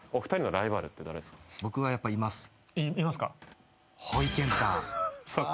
いますか？